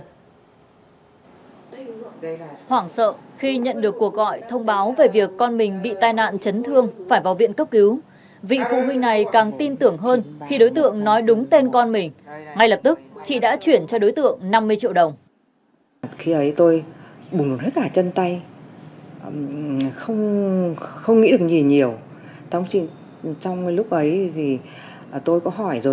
hoảng sợ khi nhận được cuộc gọi thông báo về việc con mình bị tai nạn chấn thương phải vào viện cấp cứu vị phụ huynh này càng tin tưởng hơn khi đối tượng nói đúng tên con mình